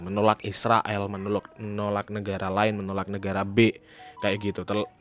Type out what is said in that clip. menolak israel menolak negara lain menolak negara b kayak gitu